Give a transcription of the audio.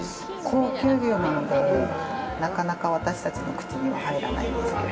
高級魚なのでなかなか私たちの口には入らないんですけど。